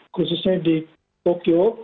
khususnya di tokyo